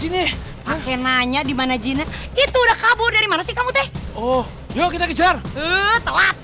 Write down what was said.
gini oke nanya dimana jinen itu udah kabur dari mana sih kamu teh oh yuk kita kejar telat